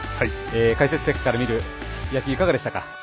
解説席から見る野球いかがでしたか？